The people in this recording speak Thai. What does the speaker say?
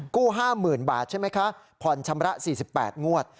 ๕๐๐๐บาทใช่ไหมคะผ่อนชำระ๔๘งวด